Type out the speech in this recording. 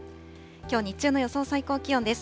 きょう日中の予想最高気温です。